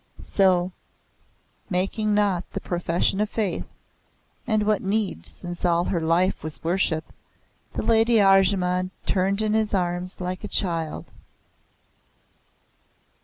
So, making not the Profession of Faith, and what need, since all her life was worship, the Lady Arjemand turned into his arms like a child.